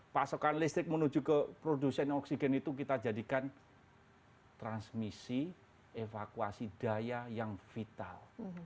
pasokan listrik menuju ke produsen oksigen itu kita jadikan transmisi evakuasi daya yang vital